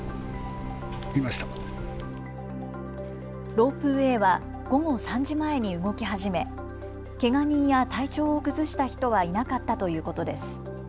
ロープウエーは午後３時前に動き始め、けが人や体調を崩した人はいなかったということです。